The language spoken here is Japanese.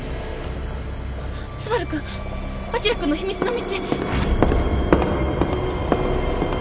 昴くん晶くんの秘密の道！